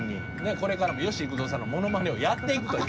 これからも吉幾三さんのモノマネをやっていくという。